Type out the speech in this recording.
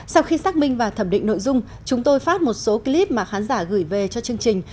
sau khi xác minh và thẩm định nội dung chúng tôi phát một số clip mà khán giả gửi về cho chương trình